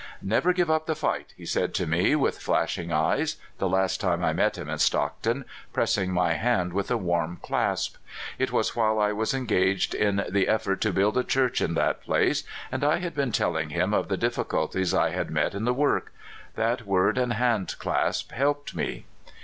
" Never give up the fight! " he said to me, with flashing eye, the last time I met him in Stockton, pressing my hand with a warm clasp. It was while I was engaged in the effort to build a church in that place, and I had been telling him of the difficulties I had met in the work. That word and hand clasp helped me.